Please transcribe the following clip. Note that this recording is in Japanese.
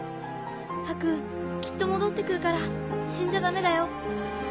ハクきっと戻って来るから死んじゃダメだよ。